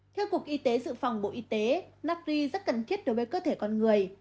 theo cục y tế dự phòng bộ y tế nafri rất cần thiết đối với cơ thể con người